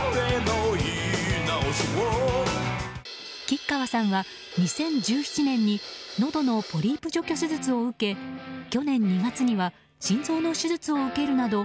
吉川さんは２０１７年にのどのポリープ除去手術を受け去年２月には心臓の手術を受けるなど